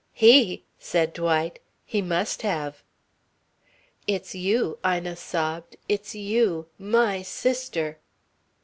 "He!" said Dwight. "He must have." "It's you," Ina sobbed. "It's you. My sister!"